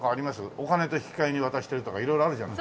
お金と引き換えに渡してるとか色々あるじゃない。